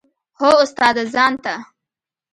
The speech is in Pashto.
هو استاده ځان ته.